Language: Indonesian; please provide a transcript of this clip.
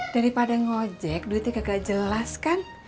daripada ngojek duitnya kagak jelas kan